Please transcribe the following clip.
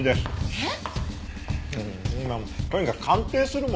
えっ？